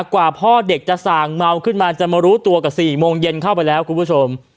กว่าพ่อเด็กจะส่างเมาขึ้นมาจะมารู้ตัวกับ๔โมงเย็นเข้าไปแล้วคุณผู้ชม